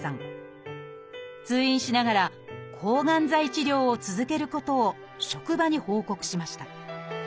通院しながら抗がん剤治療を続けることを職場に報告しました。